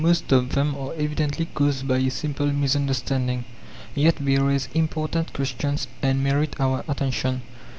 Most of them are evidently caused by a simple misunderstanding, yet they raise important questions and merit our attention.